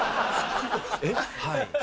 はい。